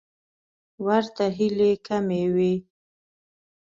ورته هیلې کمې وې.